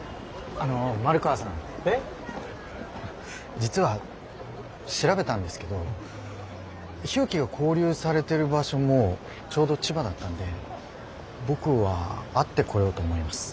実は調べたんですけど日置が拘留されてる場所もちょうど千葉だったんで僕は会ってこようと思います。